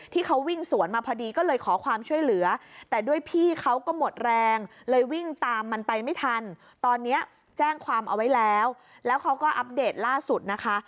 ตามเอาไว้แล้วแล้วเขาก็อัปเดตล่าสุดนะคะ